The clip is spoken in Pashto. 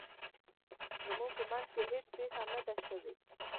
زموږ په مینځ کې هیڅ پیښه نه ده شوې